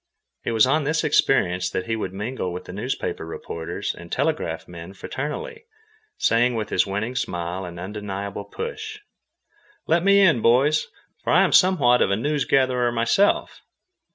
It was on this experience that he would mingle with the newspaper reporters and telegraph men fraternally, saying with his winning smile and undeniable "push": "Let me in, boys, for I am somewhat of a news gatherer myself."